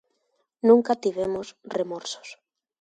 Nunca tivemos remorsos.